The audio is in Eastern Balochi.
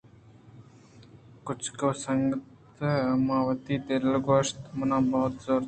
کُچک ءِ سنگت ءَ ماں وتی دل ءَ گوٛشت منا بہت ءَ زُرتگ